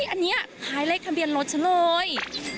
อันนี้คล้ายเลขทะเบียนรถฉันเลย